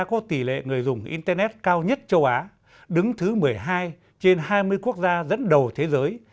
có tỷ lệ người dùng internet cao nhất châu á đứng thứ một mươi hai trên hai mươi quốc gia dẫn đầu thế giới